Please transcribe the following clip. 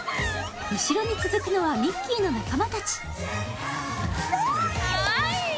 後ろに続くのはミッキーの仲間たちかわいいよ！